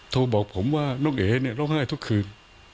โทรบอกผมว่าน้องเอ๋เนี่ยร้องไห้ทุกคืน